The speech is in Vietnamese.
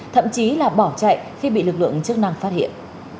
thậm chí là bỏ chạy khi bị lực lượng chức năng phát hiện